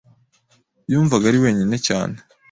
Yumvaga ari wenyine cyane.